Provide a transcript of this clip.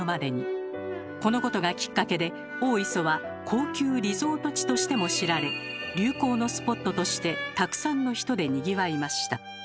このことがきっかけで大磯は高級リゾート地としても知られ流行のスポットとしてたくさんの人でにぎわいました。